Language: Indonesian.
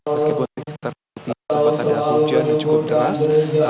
meskipun tadi sempat ada hujan yang cukup deras